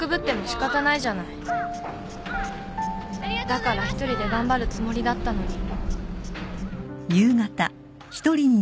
だから１人で頑張るつもりだったのに］